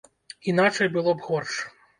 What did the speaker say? Іначай было б горш.